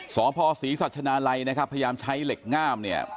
สพศรีสัชนาลัยนะครับพยายามใช้เหล็กง่ามเนี่ย